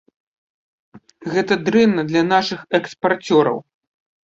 Гэта дрэнна для нашых экспарцёраў.